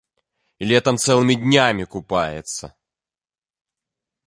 Летам цэлымі днямі купаецца.